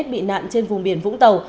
bị nạn trên vùng biển vũng tàu